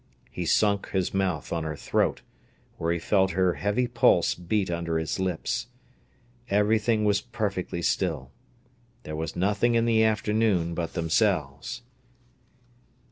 He sunk his mouth on her throat, where he felt her heavy pulse beat under his lips. Everything was perfectly still. There was nothing in the afternoon but themselves.